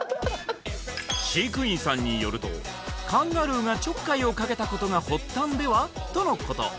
飼育員さんによるとカンガルーがちょっかいをかけたことが発端では？とのこと